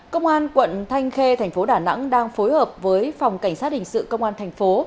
công an quận thanh khê thành phố đà nẵng đang phối hợp với phòng cảnh sát hình sự công an thành phố